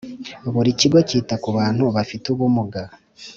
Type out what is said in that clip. Buri kigo cyita ku bantu bafite ubumuga